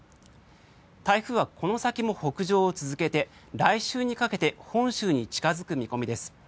台風はこの先も北上を続けて来週にかけて本州に近付く見込みです。